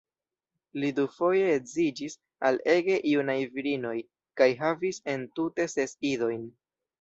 Li dufoje edziĝis al ege junaj virinoj kaj havis entute ses idojn.